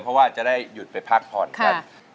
เพราะว่าจะได้หยุดไปพักผ่อนกัน